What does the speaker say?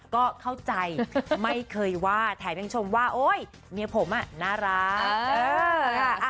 ก็เข้าใจไม่เคยว่าแถมยังชมว่าโอ๊ยเมียผมน่ารัก